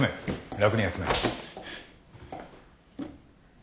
楽に休め。